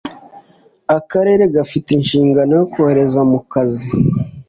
Akarere gafite inshingano yo korohereza mu kazi